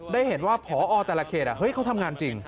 ได้เห็นว่าพอแต่ละเขตเขาทำงานจริง